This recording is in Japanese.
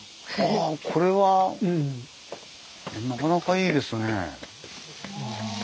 あこれはなかなかいいですね。